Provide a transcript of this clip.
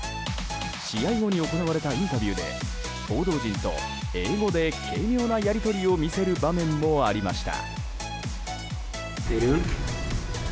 試合後に行われたインタビューで報道陣と英語で軽妙なやり取りを見せる場面もありました。